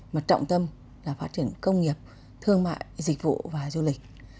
mà trọng tâm là phát triển công nghiệp thương mại dịch vụ và du lịch